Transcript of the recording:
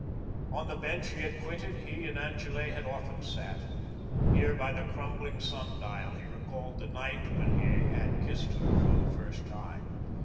On the bench he had quitted he and Angele had often sat. Here by the crumbling sun dial, he recalled the night when he had kissed her for the first time.